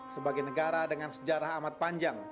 sebagai negara dengan sejarah amat panjang